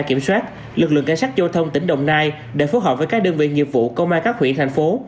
kiểm soát lực lượng cảnh sát giao thông tỉnh đồng nai đã phối hợp với các đơn vị nghiệp vụ công an các huyện thành phố